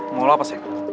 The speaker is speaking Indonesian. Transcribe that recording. mau lo apa sih